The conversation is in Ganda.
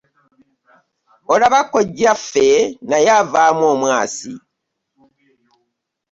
Olaba kojjaffe naye avaamu omwasi!